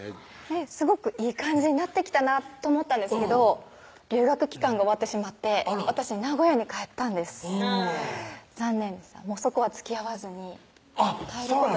すごくいい感じになってきたなと思ったんですけど留学期間が終わってしまって私名古屋に帰ったんです残念でしたそこはつきあわずにそうなの？